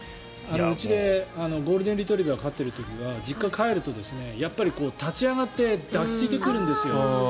家でゴールデンレトリバーを飼っている時は実家に帰ると、立ち上がって抱き着いてくるんですよ。